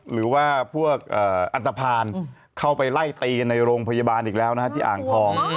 หรือว่าพวกอันตภัณฑ์เข้าไปไล่ตีกันในโรงพยาบาลอีกแล้วนะฮะที่อ่างทอง